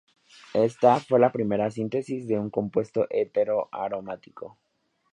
Esta, fue la primera síntesis de un compuesto hetero-aromático.